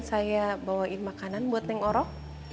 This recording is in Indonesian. saya bawain makanan buat neng orok